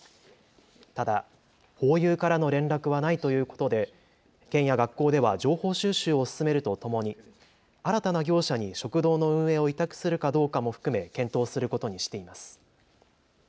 ただホーユーからの連絡はないということで県や学校では情報収集を進めるとともに新たな業者に食堂の運営を委託するかどうかも含め検討することにしています。